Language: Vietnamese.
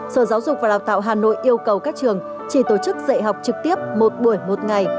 sở giáo dục và đào tạo hà nội yêu cầu các trường chỉ tổ chức dạy học trực tiếp một buổi một ngày